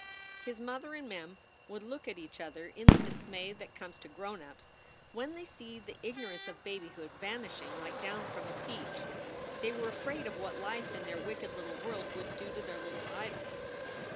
His mother and Mem would look at each other in the dis may that comes to grown ups when they see the ignorance of babyhood vanishing like down from a peach. They were afraid of what life in their wicked little world would do to their little idol.